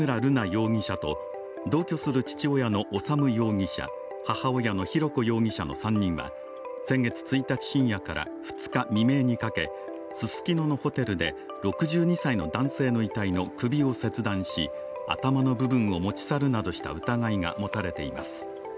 容疑者と同居する父親の修容疑者、母親の浩子容疑者の３人は先月１日深夜から２日未明にかけススキノのホテルで６２歳の男性の遺体の首を切断し頭の部分を持ち去るなどした疑いが持たれています。